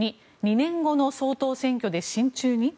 ２２年後の総統選挙で親中に？